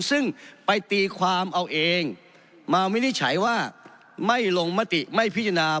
ซึ่งไปตีความเอาเองมาวินิจฉัยว่าไม่ลงมติไม่พิจารณา